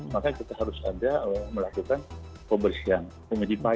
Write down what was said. maka kita harus saja melakukan pemerintah yang pemerintah